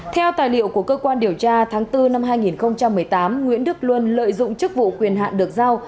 theo tài liệu của cơ quan điều tra tháng bốn năm hai nghìn một mươi tám nguyễn đức luân lợi dụng chức vụ quyền hạn được giao